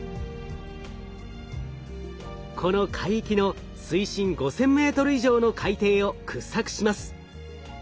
この海域の水深５，０００ｍ以上の海底を掘削します。